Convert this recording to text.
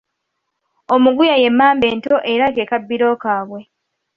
Omuguya y’emmamba ento era ke kabbiro kaabwe.